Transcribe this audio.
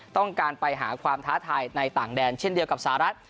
ต้องการไปหาความท้าทายในต่างแดนเช่นเดียวกับสหรัฐ